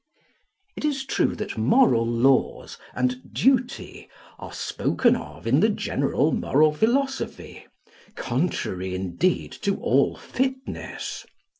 It is true that moral laws and duty are spoken of in the general moral philosophy (contrary indeed to all fitness).